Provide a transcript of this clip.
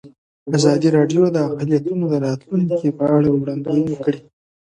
ازادي راډیو د اقلیتونه د راتلونکې په اړه وړاندوینې کړې.